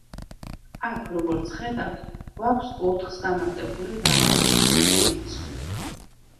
აქ, როგორც ხედავთ, გვაქვს ოთხს დამატებული რაღაც უცნობი რიცხვი.